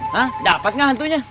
hah dapat ngehantunya